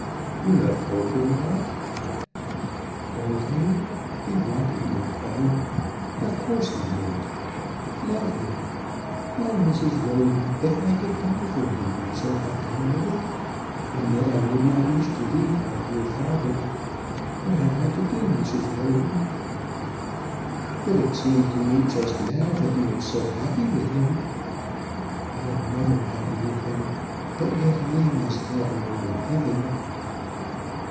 "You have told him that?" "Told him! He wanted no telling. Of course he knew it. Love him! Oh, Mrs. Roden, if I could die for him, and so have done with it! And yet I would not wish to leave my dear father. What am I to do, Mrs. Roden?" "But it seemed to me just now that you were so happy with him." "I am never happy with him; but yet I am as though I were in heaven."